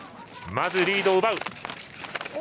まずリードを奪う。